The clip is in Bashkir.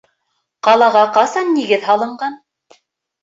Ҡалаға ҡасан нигеҙ һалынған?